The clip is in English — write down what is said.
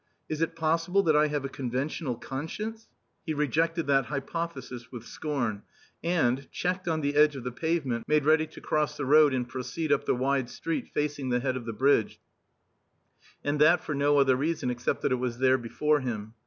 "Is it possible that I have a conventional conscience?" He rejected that hypothesis with scorn, and, checked on the edge of the pavement, made ready to cross the road and proceed up the wide street facing the head of the bridge; and that for no other reason except that it was there before him.